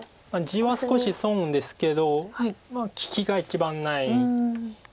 地は少し損ですけどまあ利きが一番ない手で。